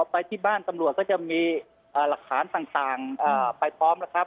ไปที่บ้านตำรวจก็จะมีหลักฐานต่างไปพร้อมแล้วครับ